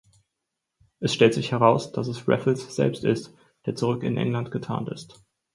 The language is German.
Es stellt sich heraus, dass es Raffles selbst ist, der zurück in England getarnt ist.